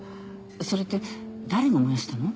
それって誰が燃やしたの？